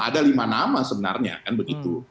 ada lima nama sebenarnya kan begitu